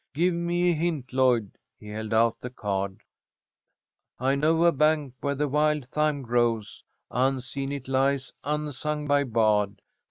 Give me a hint, Lloyd." He held out the card: "I know a bank where the wild thyme grows. Unseen it lies, unsung by bard.